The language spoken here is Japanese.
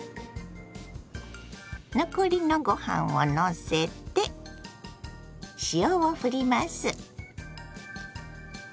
残りのご飯をのせて塩をふります。